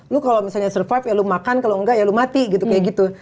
lu kalau misalnya survive ya lo makan kalau enggak ya lu mati gitu kayak gitu